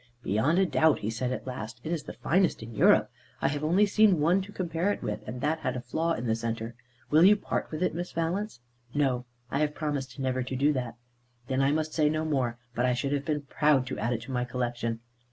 "Beyond a doubt," he said at last, "it is the finest in Europe. I have only seen one to compare with it, and that had a flaw in the centre. Will you part with it, Miss Valence?" "No; I have promised never to do that." "Then I must say no more; but I should have been proud to add it to my collection."